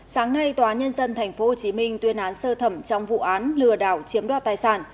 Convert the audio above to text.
sáng nay tòa nhân dân tp hcm tuyên án sơ thẩm trong vụ án lừa đảo chiếm đoạt tài sản